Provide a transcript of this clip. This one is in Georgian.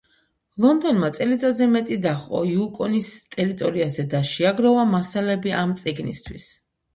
ლონდონმა წელიწადზე მეტი დაჰყო იუკონის ტერიტორიაზე და შეაგროვა მასალები ამ წიგნისთვის.